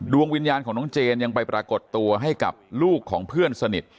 วิญญาณของน้องเจนยังไปปรากฏตัวให้กับลูกของเพื่อนสนิท